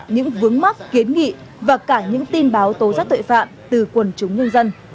những vướng mắc kiến nghị và cả những tin báo tố giác tội phạm từ quần chúng nhân dân